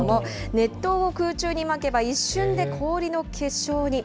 熱湯を空中にまけば、一瞬で氷の結晶に。